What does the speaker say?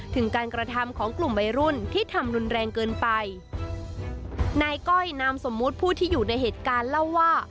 ถึงการกระทำของกลุ่มวัยรุ่นที่ทำรุนแรงเกินไปนายก้อยนามสมมุติผู้ที่อยู่ในเหตุการณ์เล่าว่า